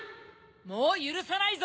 ・もうゆるさないぞ！